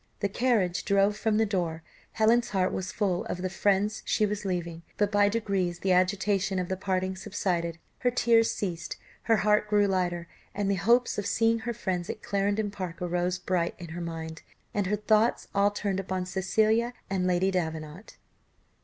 The carriage drove from the door. Helen's heart was full of the friends she was leaving, but by degrees the agitation of the parting subsided, her tears ceased, her heart grew lighter, and the hopes of seeing her friends at Clarendon Park arose bright in her mind, and her thoughts all turned upon Cecilia, and Lady Davenant.